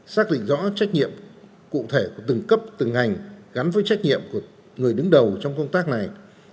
xác định rõ trách nhiệm cụ thể của từng cấp từng ngành gắn với trách nhiệm của người đứng đầu trong công tác này